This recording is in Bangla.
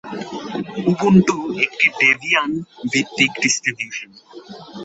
উবুন্টু একটি ডেবিয়ান ভিত্তিক ডিস্ট্রিবিউশন।